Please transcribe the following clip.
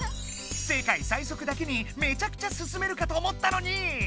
世界最速だけにめちゃくちゃすすめるかと思ったのに！